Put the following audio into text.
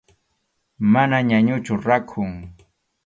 Mana ñañuchu, rakhun.